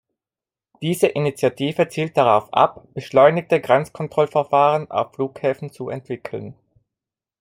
Diese Initiative zielt darauf ab, beschleunigte Grenzkontrollverfahren auf Flughäfen zu entwickeln.